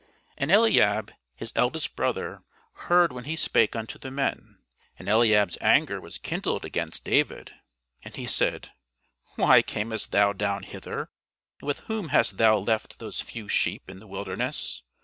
And Eliab his eldest brother heard when he spake unto the men; and Eliab's anger was kindled against David, and he said, Why camest thou down hither? and with whom hast thou left those few sheep in the wilderness?